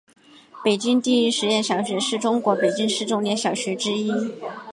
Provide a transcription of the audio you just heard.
北京第一实验小学是中国北京市重点小学之一。